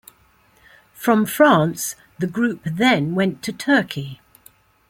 From France, the group then went to Turkey.